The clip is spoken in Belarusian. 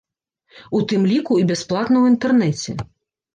У тым ліку і бясплатна ў інтэрнэце.